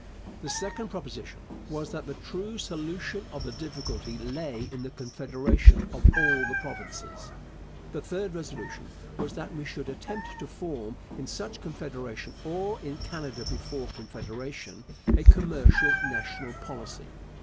The second proposition was that the true solution of the difficulty lay in the confederation of all the provinces. The third resolution was that we should attempt to form in such confederation, or in Canada before Confederation, a commercial national policy.